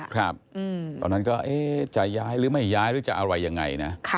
ครับตอนนั้นก็จะย้ายหรือไม่ย้ายหรือจะอะไรยังไงนะ